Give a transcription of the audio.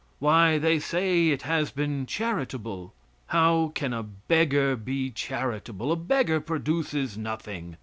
Why, they say, it has been charitable. How can a beggar be charitable? A beggar produces nothing.